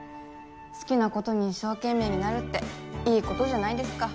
好きなことに一生懸命になるっていいことじゃないですか